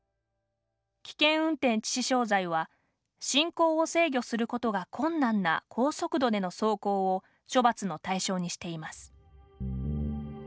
危険運転致死傷罪は進行を制御することが困難な高速度での走行を処罰の対象にしています。